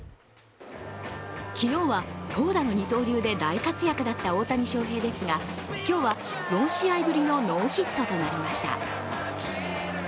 昨日は投打の二刀流で大活躍だった大谷翔平ですが今日は４試合ぶりのノーヒットとなりました。